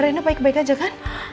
gerindra baik baik aja kan